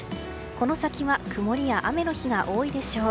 この先は曇りや雨の日が多いでしょう。